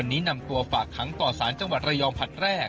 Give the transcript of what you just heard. วันนี้นำตัวฝากขังต่อสารจังหวัดระยองผลัดแรก